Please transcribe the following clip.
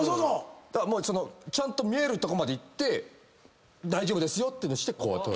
ちゃんと見えるとこまで行って大丈夫ですよっていうのしてこうやって。